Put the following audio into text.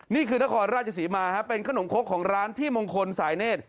นี่คือนครราชสีมาฮะเป็นขนมคลกของร้านที่มงคลสายเนธ